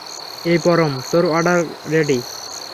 এই পরম, তোর অর্ডার রেডি।